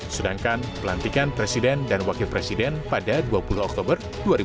sedangkan pelantikan presiden dan wakil presiden pada dua puluh oktober dua ribu dua puluh